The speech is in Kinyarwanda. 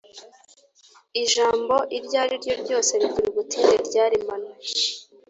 Ijambo irya ari ryo ryose rigira ubutinde ryaremanywe,